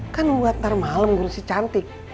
kan gue ntar malem urut si cantik